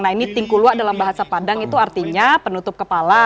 nah ini tingkulua dalam bahasa padang itu artinya penutup kepala